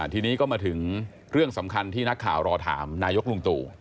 ทีนี้ก็มาถึงเรื่องสำคัญที่นักข่าวรอถามนายกลุงตู่